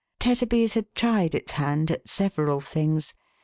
Tetterby's had tried its hand at several things.